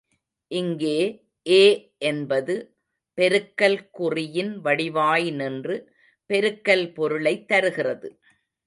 இங்கே ஏ என்பது, பெருக்கல் குறியின் வடிவாய் நின்று, பெருக்கல் பொருளைத் தருகிறது.